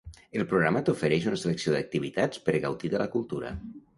El programa t'ofereix una selecció d'activitats per gaudir de la cultura.